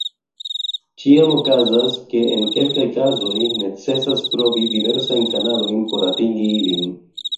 Ĉiam okazas ke en kelkaj kazoj necesas provi diversajn kanalojn por atingi ilin.